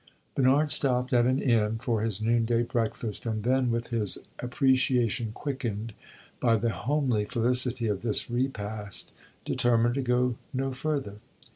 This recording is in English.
Bernard stopped at an inn for his noonday breakfast, and then, with his appreciation quickened by the homely felicity of this repast, determined to go no further.